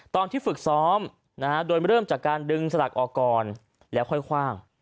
ตอนที่ฝึกซ้อมโดยเริ่มจากการดึงสลักออกก่อนแล้วค่อยคว่าง